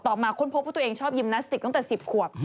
มาค้นพบว่าตัวเองชอบยิมนาสติกตั้งแต่๑๐ขวบ